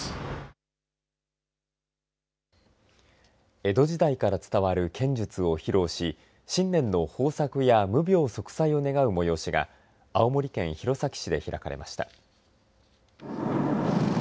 江戸時代から伝わる剣術を披露し新年の豊作や無病息災を願う催しが青森県弘前市で開かれました。